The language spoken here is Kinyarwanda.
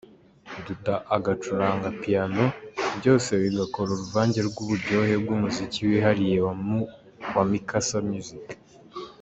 Duda agacuranga piano byose bigakora uruvange rw’uburyohe bw’umuziki wihariye wa ‘Micasa Music’.